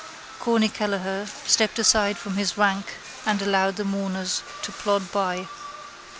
Corny Kelleher stepped aside from his rank and allowed the mourners to plod by.